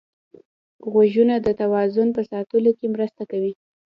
غوږونه د توازن په ساتلو کې مرسته کوي